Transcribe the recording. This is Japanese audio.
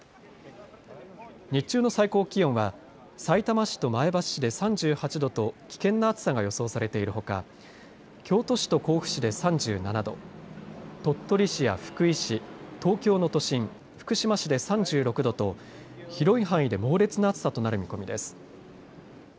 日中の最高気温はさいたま市と前橋市で３８度と危険な暑さが予想されているほか、京都市と甲府市で３７度、鳥取市や福井市、東京の都心、福島市で３６度と広い範囲で猛烈な暑さとなる見込みです。